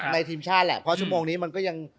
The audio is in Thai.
ทีมชาติแหละเพราะชั่วโมงนี้มันก็ยัง